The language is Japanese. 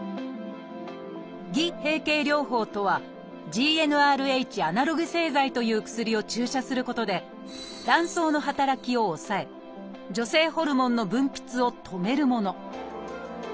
「偽閉経療法」とは「ＧｎＲＨアナログ製剤」という薬を注射することで卵巣の働きを抑え女性ホルモンの分泌を止めるもの。